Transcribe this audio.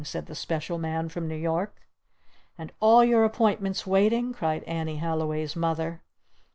said the Special Man from New York. "And all your appointments waiting?" cried Annie Halliway's Mother.